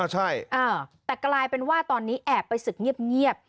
ใช่แต่กลายเป็นว่าตอนนี้แอบไปศึกเงียบ